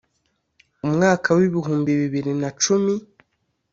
umwaka w ibihumbi bibiri na cumi